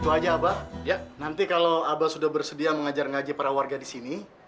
itu aja abah nanti kalau abah sudah bersedia mengajar ngaji para warga disini